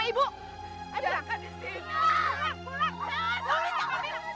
udah jangan jangan